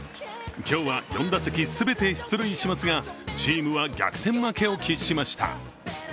今日は４打席全て出塁しますがチームは逆転負けを喫しました。